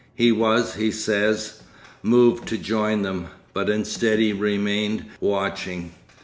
He was, he says, moved to join them, but instead he remained watching.